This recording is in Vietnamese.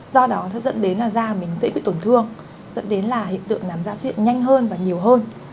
do đó sẽ dẫn đến là da mình sẽ bị tổn thương dẫn đến là hiện tượng nám da xuất hiện nhanh hơn và nhiều hơn